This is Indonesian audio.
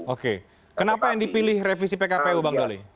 oke kenapa yang dipilih revisi pkpu bang doli